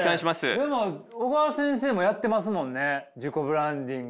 でも小川先生もやってますもんね自己ブランディング。